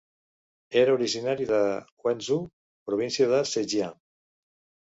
Era originari de Wenzhou, província de Zhejiang.